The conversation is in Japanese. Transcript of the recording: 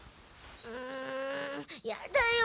うんやだよ。